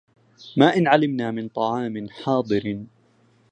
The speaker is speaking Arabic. ما إن علمنا من طعام حاضر